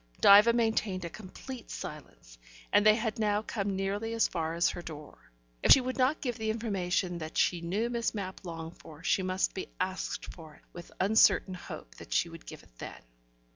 Diva maintained a complete silence, and they had now come nearly as far as her door. If she would not give the information that she knew Miss Mapp longed for, she must be asked for it, with the uncertain hope that she would give it then.